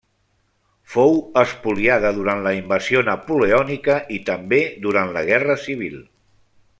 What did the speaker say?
Fou espoliada durant la invasió napoleònica i també durant la Guerra Civil.